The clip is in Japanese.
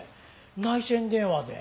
内線電話で。